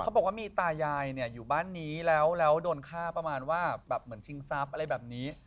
บอกว่ามีตายายเนี่ยอยู่บ้านนี้แล้วโดนฆ่าประมาณว่าแบบเหมือนชิงทรัพย์อะไรแบบนี้